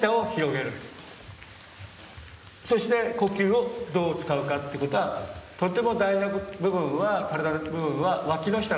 そして呼吸をどう使うかってことはとても大事な部分は身体の部分はわきの下なんです。